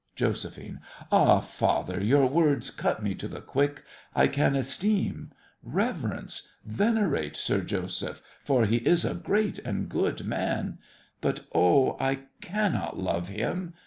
JOS. Ah, father, your words cut me to the quick. I can esteem— reverence—venerate Sir Joseph, for he is a great and good man; but oh, I cannot love him!